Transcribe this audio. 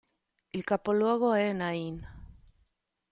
Il capoluogo è Na'in.